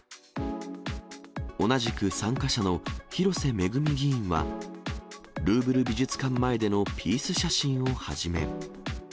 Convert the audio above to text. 同じく参加者の広瀬めぐみ議員は、ルーブル美術館前でのピース写真をはじめ。